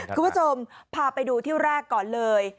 คุณผู้ชมพาไปดูที่แรกก่อนเลย